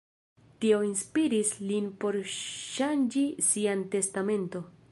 Tio inspiris lin por ŝanĝi sian testamenton.